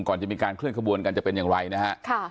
ก่อนจะมีการเคลื่อนขบวนกันจะเป็นอย่างไรนะฮะ